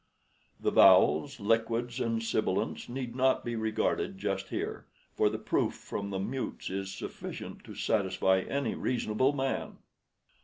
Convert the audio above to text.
The vowels, liquids, and sibilants need not be regarded just here, for the proof from the mutes is sufficient to satisfy any reasonable man."